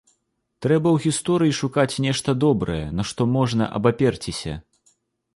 Трэба ў гісторыі шукаць нешта добрае, на што можна абаперціся.